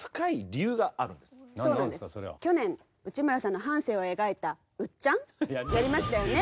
去年内村さんの半生を描いた「うっちゃん」やりましたよね。